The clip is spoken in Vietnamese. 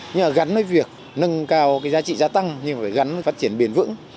nhưng gắn với việc nâng cao giá trị gia tăng nhưng phải gắn với phát triển biển vững